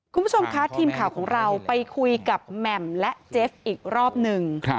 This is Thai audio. คุณผู้ชมคะทีมข่าวของเราไปคุยกับแหม่มและเจฟอีกรอบหนึ่ง